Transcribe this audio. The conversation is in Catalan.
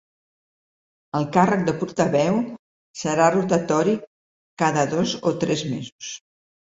El càrrec de portaveu, serà rotatori ‘cada dos o tres mesos’.